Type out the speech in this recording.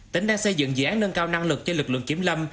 tỉnh đang xây dựng dự án nâng cao năng lực cho lực lượng kiểm lâm